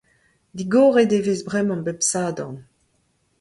Digoret e vez bremañ bep sadorn.